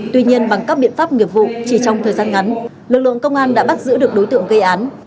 tuy nhiên bằng các biện pháp nghiệp vụ chỉ trong thời gian ngắn lực lượng công an đã bắt giữ được đối tượng gây án